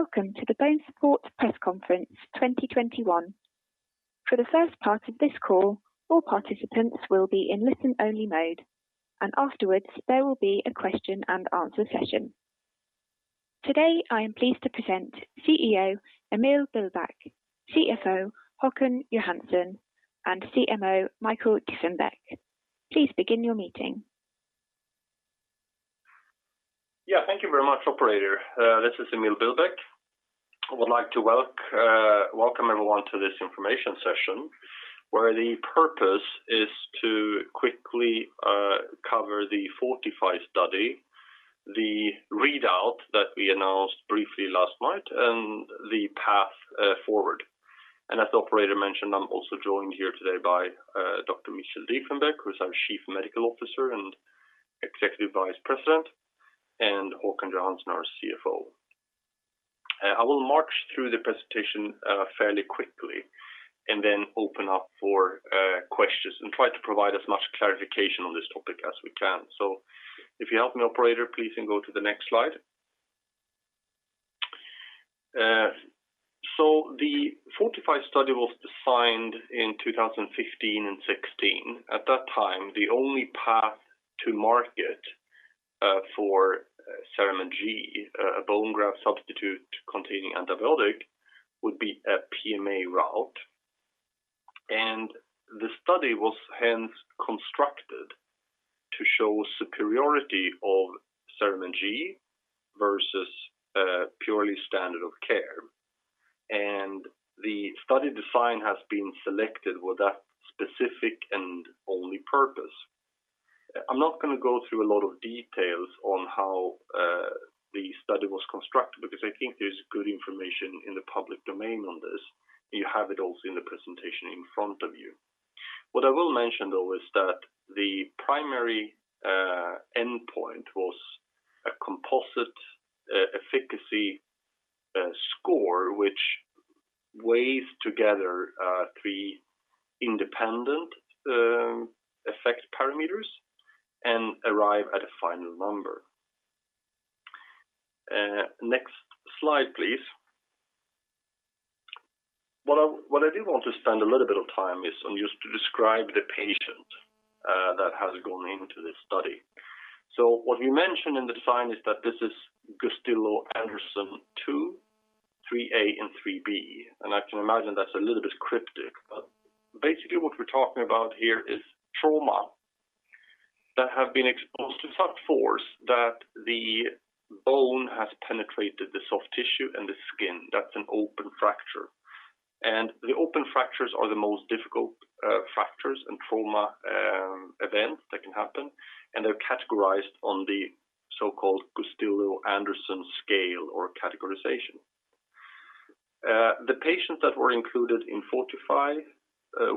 Welcome to the BONESUPPORT Press Conference 2021. For the first part of this call, all participants will be in listen-only mode, and afterwards, there will be a question and answer session. Today, I am pleased to present CEO Emil Billbäck, CFO Håkan Johansson, and CMO Michael Diefenbeck. Please begin your meeting. Yeah. Thank you very much, operator. This is Emil Billbäck. I would like to welcome everyone to this information session, where the purpose is to quickly cover the FORTIFY study, the readout that we announced briefly last night, and the path forward. As the operator mentioned, I'm also joined here today by Dr. Michael Diefenbeck, who's our Chief Medical Officer and Executive Vice President, and Håkan Johansson, our CFO. I will march through the presentation fairly quickly and then open up for questions and try to provide as much clarification on this topic as we can. If you help me, operator, please and go to the next slide. The FORTIFY study was defined in 2015 and 2016. At that time, the only path to market for CERAMENT G, a bone graft substitute containing antibiotic, would be a PMA route. The study was hence constructed to show superiority of CERAMENT G versus purely standard of care. The study design has been selected with that specific and only purpose. I'm not going to go through a lot of details on how the study was constructed because I think there's good information in the public domain on this, and you have it also in the presentation in front of you. What I will mention, though, is that the primary endpoint was a composite efficacy score which weighs together three independent effect parameters and arrive at a final number. Next slide, please. What I do want to spend a little bit of time is on just to describe the patient that has gone into this study. What we mentioned in the design is that this is Gustilo-Anderson II, IIIA, and IIIB. I can imagine that's a little bit cryptic, but basically what we're talking about here is trauma that have been exposed to such force that the bone has penetrated the soft tissue and the skin. That's an open fracture. The open fractures are the most difficult fractures in trauma events that can happen, and they're categorized on the so-called Gustilo-Anderson scale or categorization. The patients that were included in FORTIFY,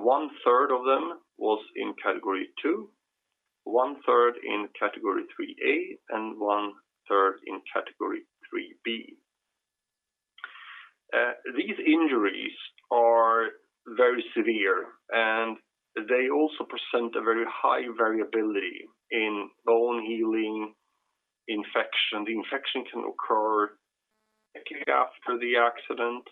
1/3 of them was in category II, 1/3 in category IIIA, and 1/3 in category IIIB. These injuries are very severe, and they also present a very high variability in bone healing infection. The infection can occur quickly after the accident,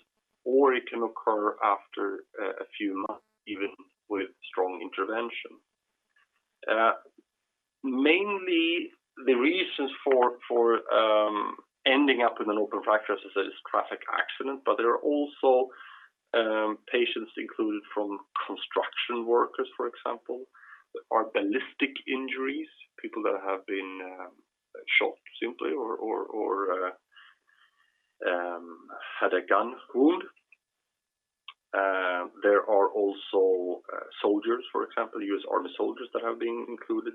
or it can occur after a few months, even with strong intervention. Mainly the reasons for ending up with an open fracture is a traffic accident, but there are also patients included from construction workers, for example. There are ballistic injuries, people that have been shot simply or had a gun wound. There are also soldiers, for example, U.S. Army soldiers that have been included.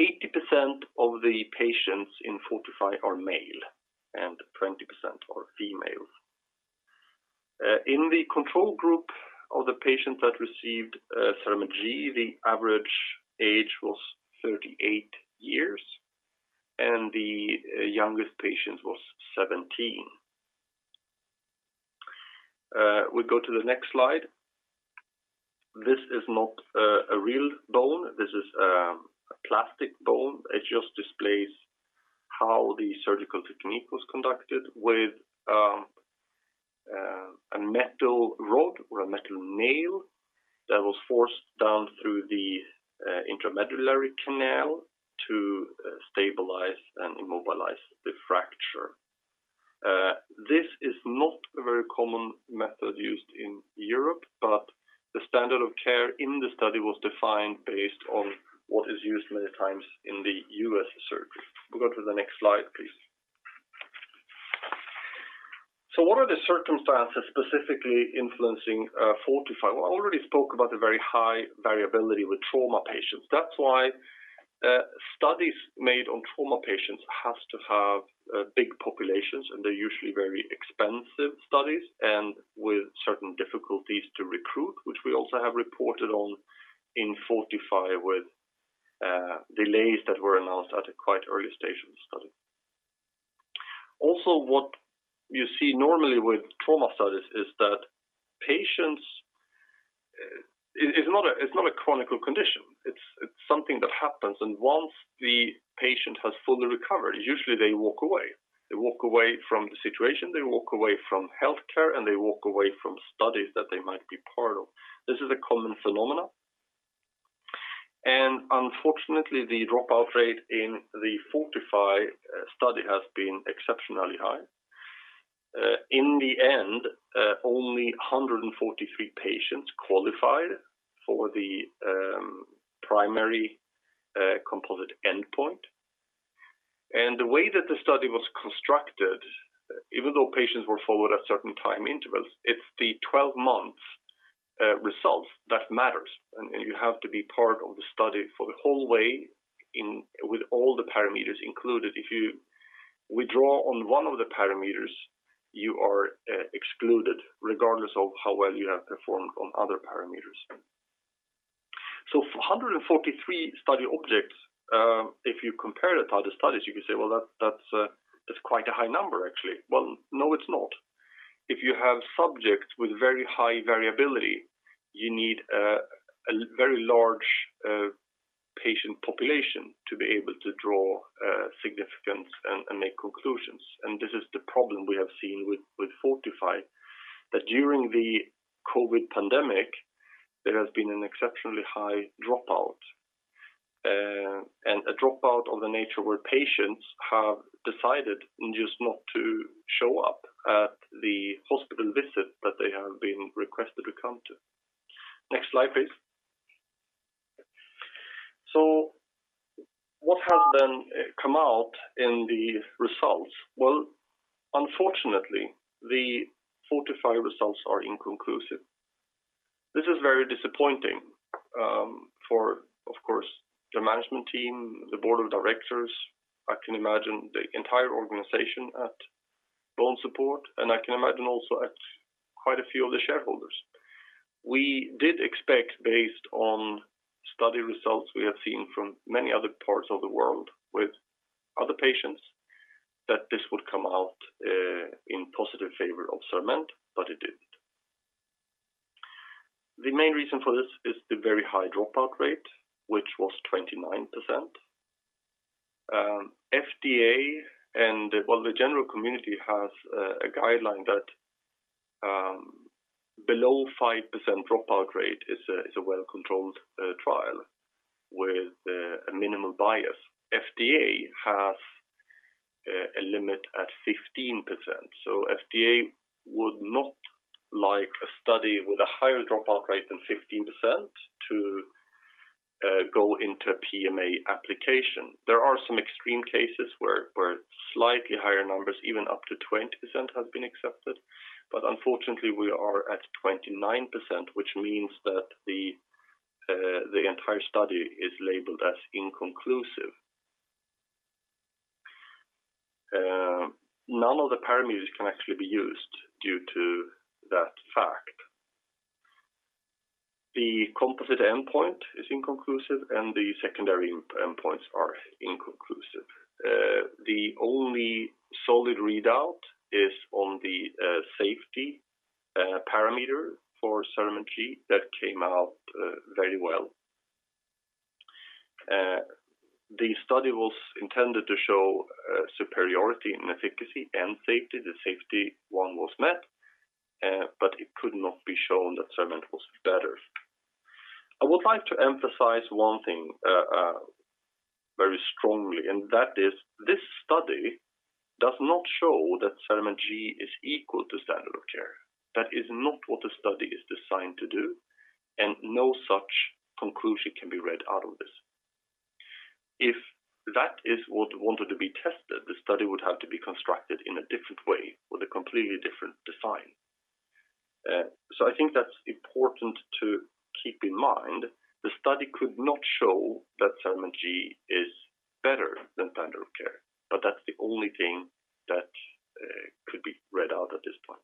80% of the patients in FORTIFY are male, and 20% are female. In the control group of the patients that received CERAMENT G, the average age was 38 years, and the youngest patient was 17. We go to the next slide. This is not a real bone. This is a plastic bone. It just displays how the surgical technique was conducted with a metal rod or a metal nail that was forced down through the intramedullary canal to stabilize and immobilize the fracture. This is not a very common method used in Europe, but the standard of care in the study was defined based on what is used many times in the U.S. surgery. We go to the next slide, please. What are the circumstances specifically influencing FORTIFY? Well, I already spoke about the very high variability with trauma patients. That's why studies made on trauma patients has to have big populations, and they're usually very expensive studies and with certain difficulties to recruit, which we also have reported on in FORTIFY with delays that were announced at a quite early stage of the study. Also, what you see normally with trauma studies is that patients. It's not a chronic condition. It's something that happens, and once the patient has fully recovered, usually they walk away. They walk away from the situation, they walk away from healthcare, and they walk away from studies that they might be part of. This is a common phenomenon. Unfortunately, the dropout rate in the FORTIFY study has been exceptionally high. In the end, only 143 patients qualified for the primary composite endpoint. The way that the study was constructed, even though patients were followed at certain time intervals, it's the 12 months result that matters. You have to be part of the study for the whole way with all the parameters included. If you withdraw on one of the parameters, you are excluded regardless of how well you have performed on other parameters. 143 study objects. If you compare it to other studies, you could say, "Well, that's quite a high number, actually." No, it's not. If you have subjects with very high variability, you need a very large patient population to be able to draw significance and make conclusions. This is the problem we have seen with FORTIFY, that during the COVID pandemic, there has been an exceptionally high dropout. A dropout of the nature where patients have decided just not to show up at the hospital visit that they have been requested to come to. Next slide, please. What has then come out in the results? Well, unfortunately, the FORTIFY results are inconclusive. This is very disappointing for, of course, the management team, the board of directors. I can imagine the entire organization at BONESUPPORT, and I can imagine also at quite a few of the shareholders. We did expect, based on study results we have seen from many other parts of the world with other patients, that this would come out in positive favor of CERAMENT. It didn't. The main reason for this is the very high dropout rate, which was 29%. FDA and the general community has a guideline that below 5% dropout rate is a well-controlled trial with a minimal bias. FDA has a limit at 15%. FDA would not like a study with a higher dropout rate than 15% to go into a PMA application. There are some extreme cases where slightly higher numbers, even up to 20%, has been accepted. Unfortunately, we are at 29%, which means that the entire study is labeled as inconclusive. None of the parameters can actually be used due to that fact. The composite endpoint is inconclusive. The secondary endpoints are inconclusive. The only solid readout is on the safety parameter for CERAMENT G. That came out very well. The study was intended to show superiority in efficacy and safety. The safety one was met, but it could not be shown that CERAMENT was better. I would like to emphasize one thing very strongly, and that is this study does not show that CERAMENT G is equal to standard of care. That is not what the study is designed to do, and no such conclusion can be read out of this. If that is what we wanted to be tested, the study would have to be constructed in a different way with a completely different design. I think that's important to keep in mind. The study could not show that CERAMENT G is better than standard of care, but that's the only thing that could be read out at this point.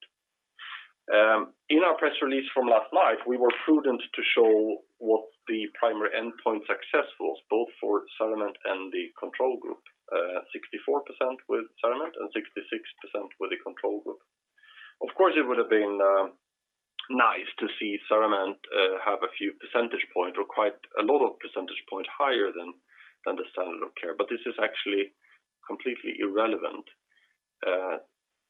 In our press release from last night, we were prudent to show what the primary endpoint success was both for CERAMENT and the control group. 64% with CERAMENT and 66% with the control group. Of course, it would've been nice to see CERAMENT have a few percentage point or quite a lot of percentage point higher than the standard of care. This is actually completely irrelevant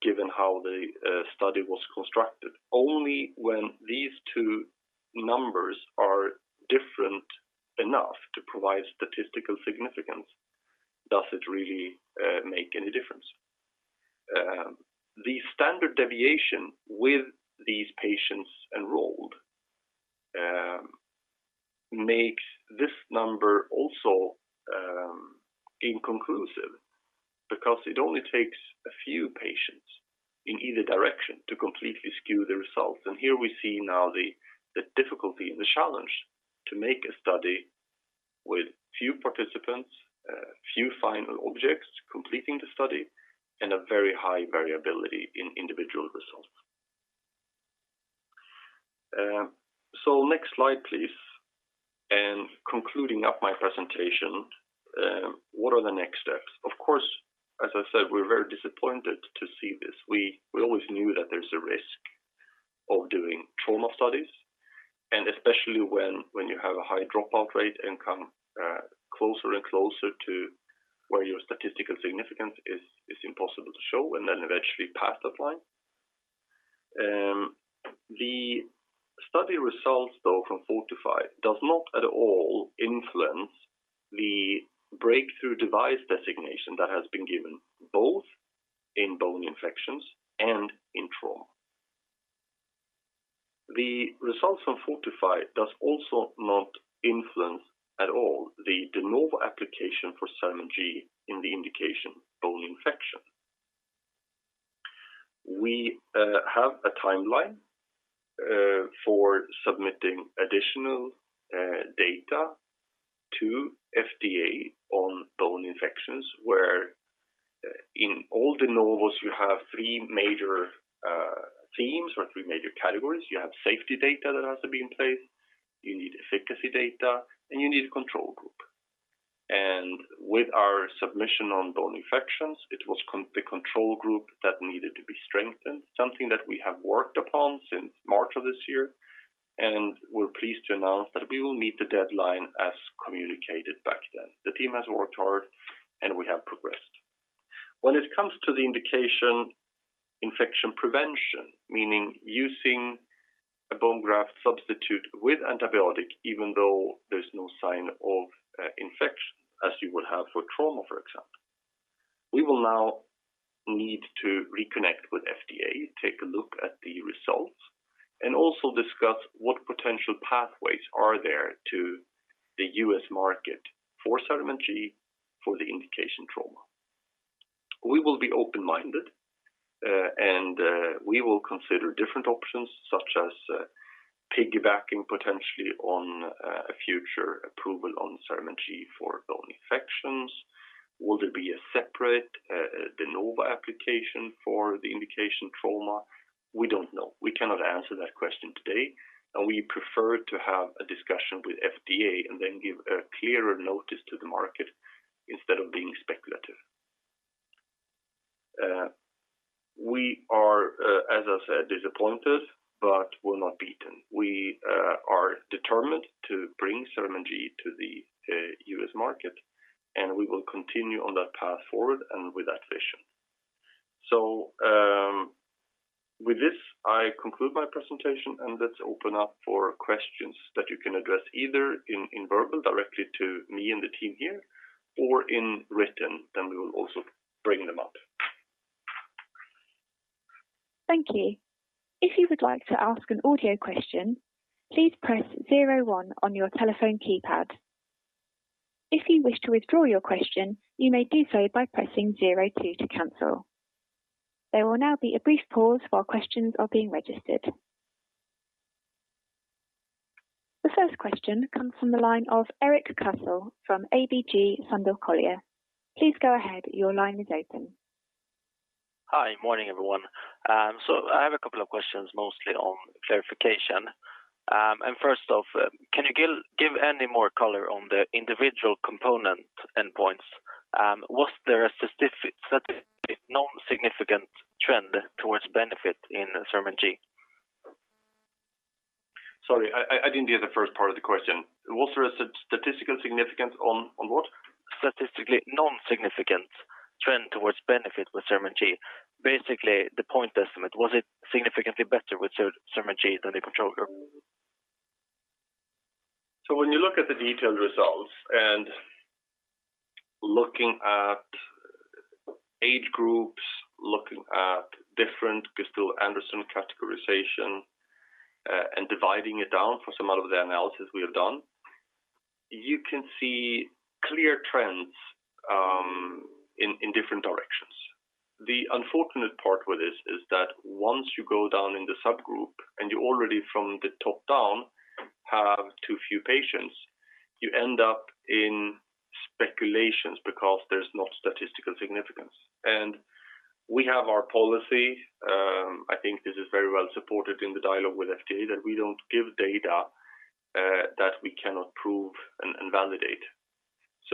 given how the study was constructed. Only when these two numbers are different enough to provide statistical significance does it really make any difference. The standard deviation with these patients enrolled makes this number also inconclusive because it only takes a few patients in either direction to completely skew the results. Here we see now the difficulty and the challenge to make a study with few participants, few final objects completing the study, and a very high variability in individual results. Next slide, please. Concluding up my presentation, what are the next steps? Of course, as I said, we're very disappointed to see this. We always knew that there's a risk of doing trauma studies, and especially when you have a high dropout rate and come closer and closer to where your statistical significance is impossible to show and then eventually pass that line. The study results, though, from FORTIFY does not at all influence the Breakthrough Device designation that has been given both in bone infections and in trauma. The results from FORTIFY does also not influence at all the de novo application for CERAMENT G in the indication bone infection. We have a timeline for submitting additional data to FDA on bone infections, where in all de novos, you have three major themes or three major categories. You have safety data that has to be in place, you need efficacy data, and you need a control group. With our submission on bone infections, it was the control group that needed to be strengthened, something that we have worked upon since March of this year. We're pleased to announce that we will meet the deadline as communicated back then. The team has worked hard, and we have progressed. When it comes to the indication infection prevention, meaning using a bone graft substitute with antibiotic, even though there's no sign of infection, as you would have for trauma, for example. We will now need to reconnect with FDA, take a look at the results, and also discuss what potential pathways are there to the U.S. market for CERAMENT G for the indication trauma. We will be open-minded, and we will consider different options, such as piggybacking potentially on a future approval on CERAMENT G for bone infections. Will there be a separate de novo application for the indication trauma? We don't know. We cannot answer that question today, and we prefer to have a discussion with FDA and then give a clearer notice to the market instead of being speculative. We are, as I said, disappointed, but we're not beaten. We are determined to bring CERAMENT G to the U.S. market, and we will continue on that path forward and with that vision. With this, I conclude my presentation, and let's open up for questions that you can address either in verbal directly to me and the team here or in written, then we will also bring them up. Thank you. If you would like to ask an audio question, please press zero one on your telephone keypad. If you wish to withdraw your question, you may do so by pressing zero two to cancel. There will now be a brief pause while questions are being registered. The first question comes from the line of Erik Cassel from ABG Sundal Collier. Please go ahead. Your line is open. Hi. Morning, everyone. I have a couple of questions, mostly on clarification. First off, can you give any more color on the individual component endpoints? Was there a statistically non-significant trend towards benefit in CERAMENT G? Sorry, I didn't hear the first part of the question. Was there a statistical significance on what? Statistically non-significant trend towards benefit with CERAMENT G. Basically, the point estimate, was it significantly better with CERAMENT G than the control group? When you look at the detailed results and looking at age groups, looking at different Gustilo-Anderson categorization, and dividing it down for some of the analysis we have done, you can see clear trends in different directions. The unfortunate part with this is that once you go down in the subgroup and you already from the top down have too few patients, you end up in speculations because there's no statistical significance. We have our policy, I think this is very well supported in the dialogue with FDA, that we don't give data that we cannot prove and validate.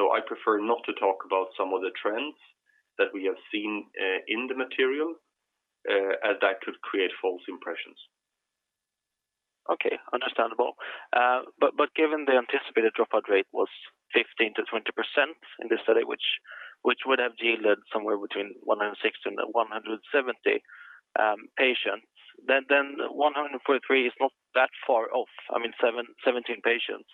I prefer not to talk about some of the trends that we have seen in the material as that could create false impressions. Okay. Understandable. Given the anticipated dropout rate was 15%-20% in the study, which would have yielded somewhere between 160-170 patients, 143 is not that far off. I mean, 17 patients.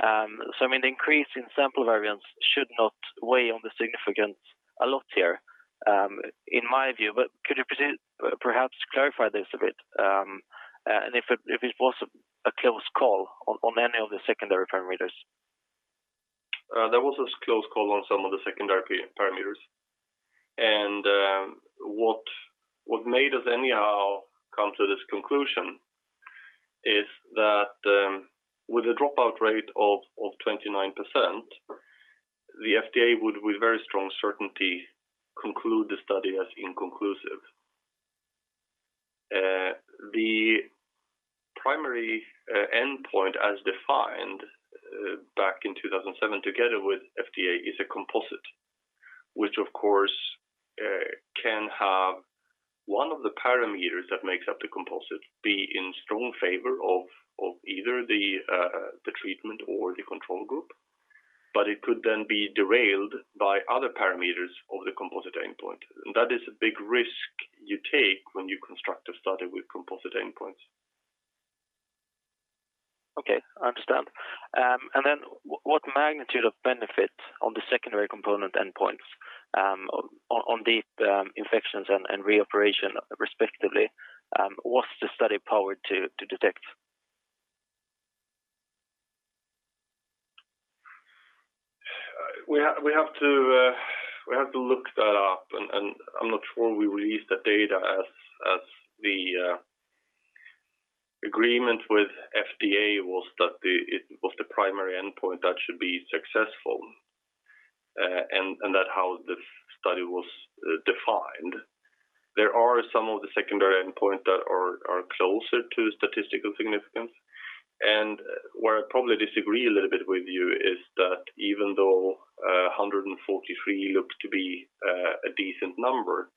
I mean, the increase in sample variance should not weigh on the significance a lot here, in my view. Could you perhaps clarify this a bit? If it was a close call on any of the secondary parameters? There was a close call on some of the secondary parameters. What made us anyhow come to this conclusion is that with a dropout rate of 29%, the FDA would, with very strong certainty, conclude the study as inconclusive. The primary endpoint as defined back in 2007 together with FDA is a composite, which of course can have one of the parameters that makes up the composite be in strong favor of either the treatment or the control group. It could then be derailed by other parameters of the composite endpoint. That is a big risk you take when you construct a study with composite endpoints. Okay, I understand. What magnitude of benefit on the secondary component endpoints on deep infections and reoperation respectively, was the study powered to detect? We have to look that up, and I'm not sure we released that data as the agreement with FDA was that it was the primary endpoint that should be successful, and that how the study was defined. There are some of the secondary endpoint that are closer to statistical significance. Where I probably disagree a little bit with you is that even though 143 looks to be a decent number,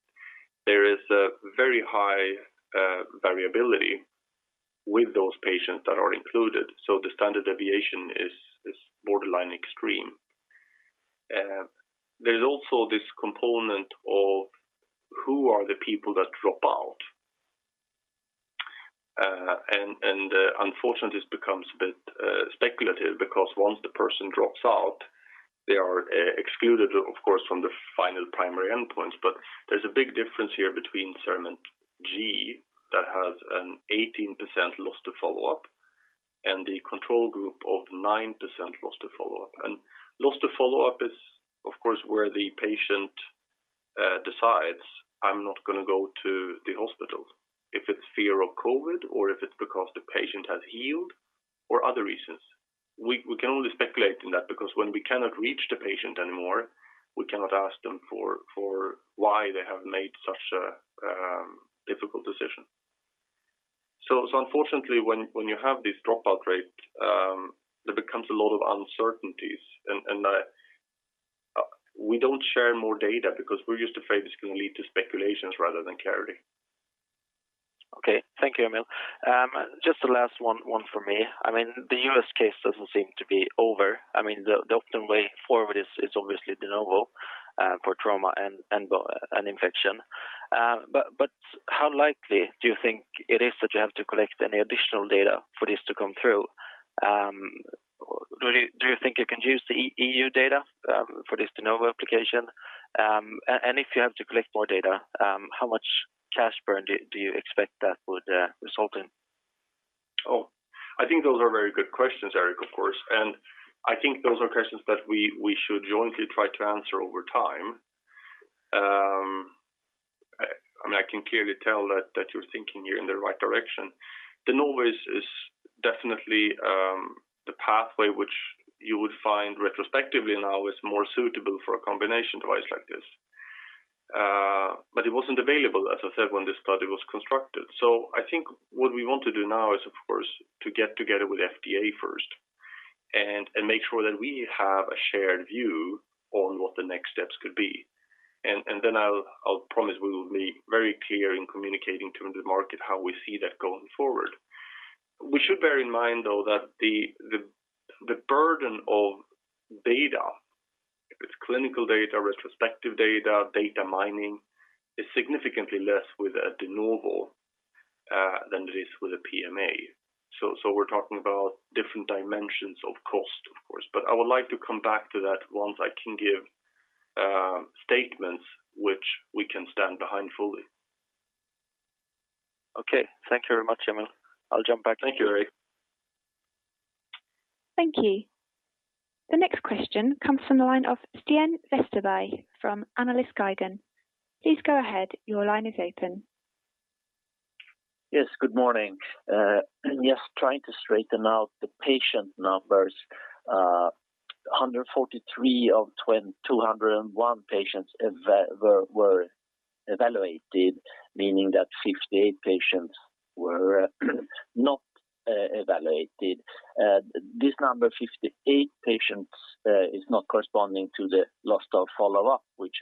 there is a very high variability with those patients that are included. The standard deviation is borderline extreme. There's also this component of who are the people that drop out. Unfortunately, this becomes a bit speculative because once the person drops out, they are excluded, of course, from the final primary endpoints. There's a big difference here between CERAMENT G that has an 18% loss to follow-up, and the control group of 9% loss to follow-up. Loss to follow-up is, of course, where the patient decides, "I'm not going to go to the hospital." If it's fear of COVID or if it's because the patient has healed or other reasons. We can only speculate in that, because when we cannot reach the patient anymore, we cannot ask them for why they have made such a difficult decision. Unfortunately, when you have this dropout rate, there becomes a lot of uncertainties, and we don't share more data because we're just afraid it's going to lead to speculations rather than clarity. Okay. Thank you, Emil. Just the last one from me. The U.S. case doesn't seem to be over. The optimum way forward is obviously de novo for trauma and infection. How likely do you think it is that you have to collect any additional data for this to come through? Do you think you can use the EU data for this de novo application? If you have to collect more data, how much cash burn do you expect that would result in? I think those are very good questions, Erik, of course. I think those are questions that we should jointly try to answer over time. I can clearly tell that you're thinking you're in the right direction. De novo is definitely the pathway which you would find retrospectively now is more suitable for a combination device like this. It wasn't available, as I said, when this study was constructed. I think what we want to do now is, of course, to get together with FDA first and make sure that we have a shared view on what the next steps could be. I'll promise we will be very clear in communicating to the market how we see that going forward. We should bear in mind, though, that the burden of data, if it's clinical data, retrospective data mining, is significantly less with a de novo than it is with a PMA. We're talking about different dimensions of cost, of course. I would like to come back to that once I can give statements which we can stand behind fully. Okay. Thank you very much, Emil. I'll jump back. Thank you, Erik. Thank you. The next question comes from the line of Stian Westerby from [Analysgalggen]. Please go ahead. Your line is open. Yes, good morning. Yes, trying to straighten out the patient numbers. 143 of 201 patients were evaluated, meaning that 58 patients were not evaluated. This number, 58 patients, is not corresponding to the loss to follow-up, which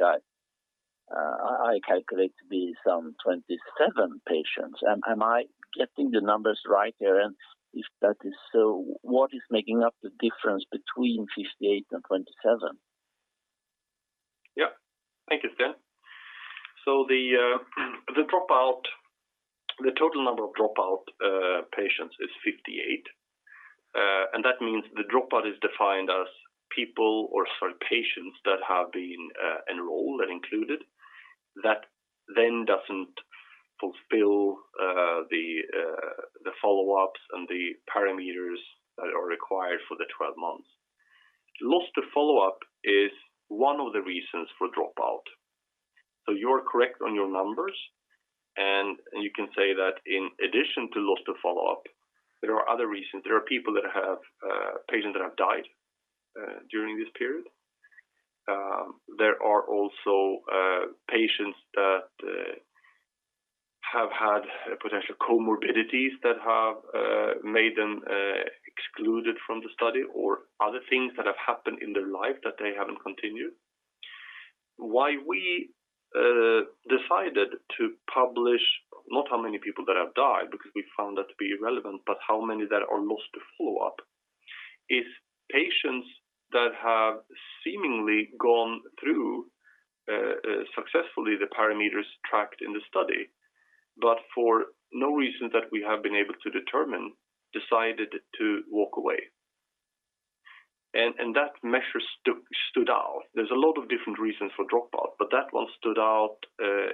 I calculate to be some 27 patients. Am I getting the numbers right here? If that is so, what is making up the difference between 58 and 27? Thank you, Stian. The total number of dropout patients is 58. That means the dropout is defined as people or sorry, patients that have been enrolled and included that then doesn't fulfill the follow-ups and the parameters that are required for the 12 months. Loss to follow-up is one of the reasons for dropout. You're correct on your numbers, and you can say that in addition to loss to follow-up, there are other reasons. There are patients that have died during this period. There are also patients that have had potential comorbidities that have made them excluded from the study or other things that have happened in their life that they haven't continued. Why we decided to publish not how many people that have died, because we found that to be irrelevant, but how many that are lost to follow-up, is patients that have seemingly gone through successfully the parameters tracked in the study, but for no reason that we have been able to determine, decided to walk away. That measure stood out. There's a lot of different reasons for dropout, but that one stood out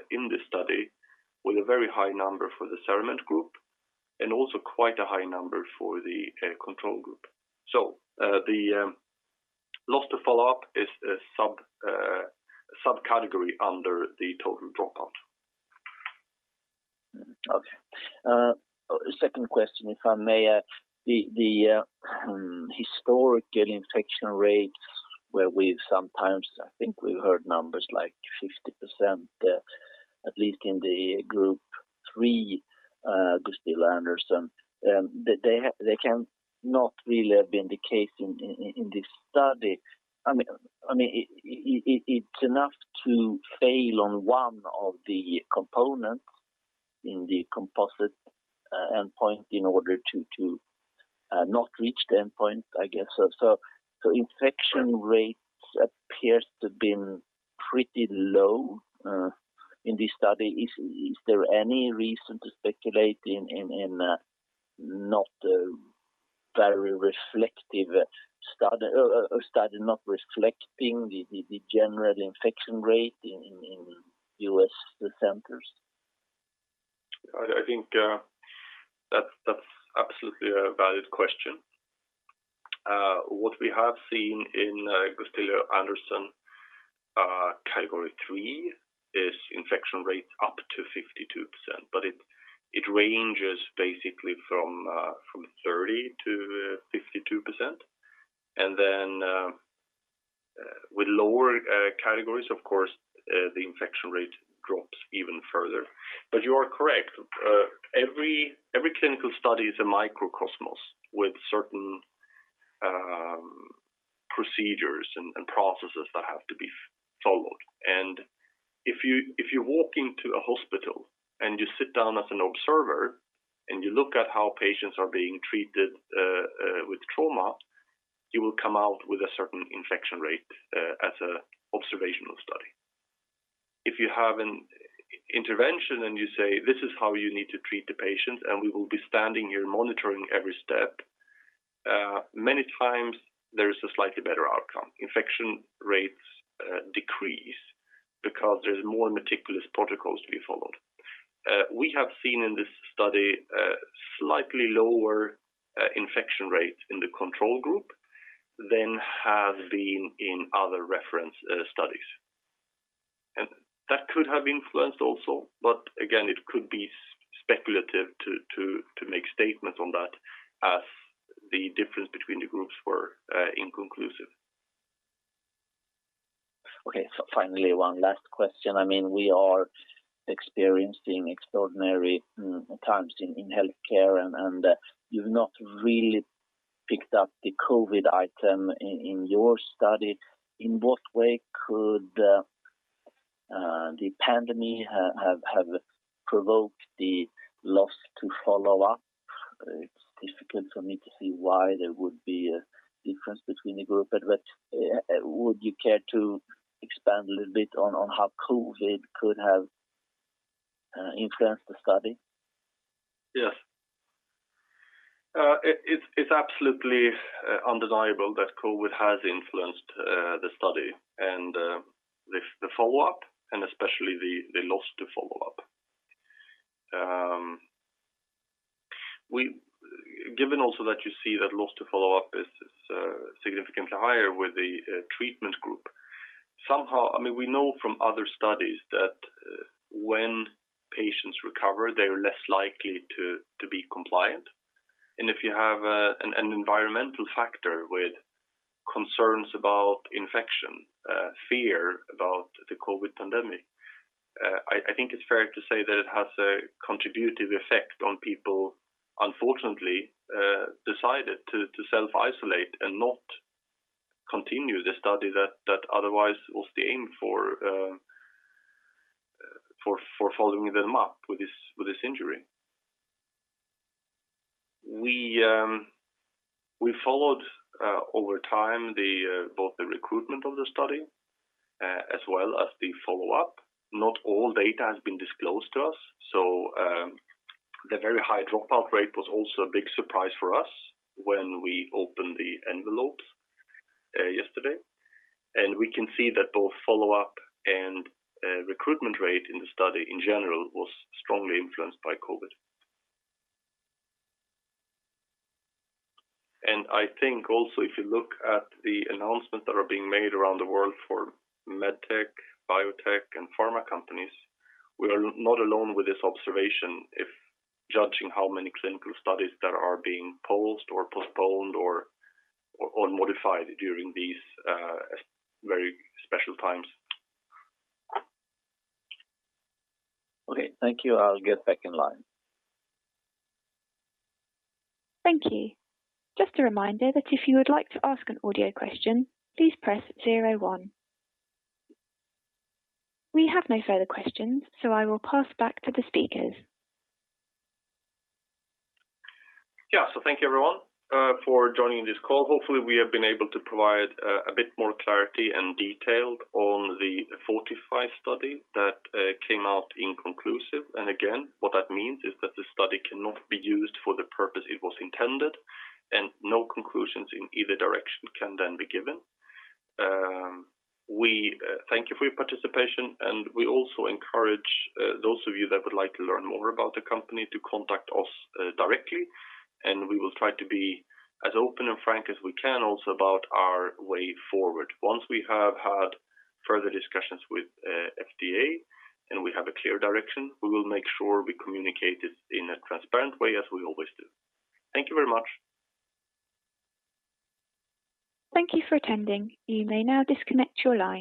in this study with a very high number for the CERAMENT group, and also quite a high number for the control group. The loss to follow-up is a subcategory under the total dropout. Okay. Second question, if I may. The historical infection rates where we've sometimes, I think we've heard numbers like 50%, at least in the Group III Gustilo-Anderson, they cannot really have been the case in this study. It is enough to fail on one of the components in the composite endpoint in order to not reach the endpoint, I guess. Infection rates appears to have been pretty low in this study. Is there any reason to speculate in a study not reflecting the general infection rate in U.S. centers? I think that's absolutely a valid question. What we have seen in Gustilo-Anderson Category III is infection rates up to 52%, but it ranges basically from 30%-52%. With lower categories, of course, the infection rate drops even further. You are correct. Every clinical study is a microcosmos with certain procedures and processes that have to be followed. If you walk into a hospital and you sit down as an observer and you look at how patients are being treated with trauma, you will come out with a certain infection rate as an observational study. If you have an intervention and you say, "This is how you need to treat the patients, and we will be standing here monitoring every step," many times there is a slightly better outcome. Infection rates decrease because there's more meticulous protocols to be followed. We have seen in this study slightly lower infection rates in the control group than have been in other reference studies. That could have influenced also, but again, it could be speculative to make statements on that as the difference between the groups were inconclusive. Okay. Finally, one last question. We are experiencing extraordinary times in healthcare, and you've not really picked up the COVID item in your study. In what way could the pandemic have provoked the loss to follow-up? It's difficult for me to see why there would be a difference between the group, but would you care to expand a little bit on how COVID could have influenced the study? Yes. It's absolutely undeniable that COVID has influenced the study and the follow-up, and especially the loss to follow-up. Given also that you see that loss to follow-up is significantly higher with the treatment group, somehow, we know from other studies that when patients recover, they're less likely to be compliant. If you have an environmental factor with concerns about infection, fear about the COVID pandemic, I think it's fair to say that it has a contributive effect on people, unfortunately, decided to self-isolate and not continue the study that otherwise was the aim for following them up with this injury. We followed over time both the recruitment of the study as well as the follow-up. Not all data has been disclosed to us. The very high dropout rate was also a big surprise for us when we opened the envelopes yesterday. We can see that both follow-up and recruitment rate in the study in general was strongly influenced by COVID. I think also if you look at the announcements that are being made around the world for med tech, biotech, and pharma companies, we are not alone with this observation if judging how many clinical studies that are being paused or postponed or modified during these very special times. Okay. Thank you. I'll get back in line. Thank you. Just a reminder that if you would like to ask an audio question, please press zero one. We have no further questions, so I will pass back to the speakers. Thank you, everyone, for joining this call. Hopefully, we have been able to provide a bit more clarity and detail on the FORTIFY study that came out inconclusive. Again, what that means is that the study cannot be used for the purpose it was intended, no conclusions in either direction can be given. We thank you for your participation, we also encourage those of you that would like to learn more about the company to contact us directly, we will try to be as open and frank as we can also about our way forward. Once we have had further discussions with FDA, we have a clear direction, we will make sure we communicate it in a transparent way as we always do. Thank you very much. Thank you for attending. You may now disconnect your line.